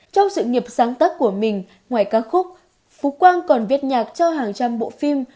trong sự nghiệp sáng tác của mình ngoài ca khúc phú quang còn viết nhạc cho hàng trăm bộ phim